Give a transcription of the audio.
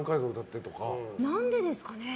何でですかね？